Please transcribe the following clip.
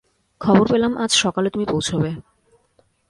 খবর পেলাম, আজ সকালে তুমি পৌছবে।